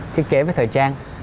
thiết kế với thời trang